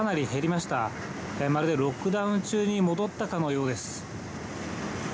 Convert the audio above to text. まるでロックダウン中に戻ったかのようです。